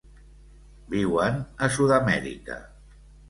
Viuen a Sud-amèrica.